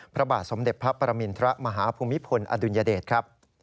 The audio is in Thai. พระบาทสมเด็จพระปรมินทรมาฮภูมิพลอดุลยเดชครับ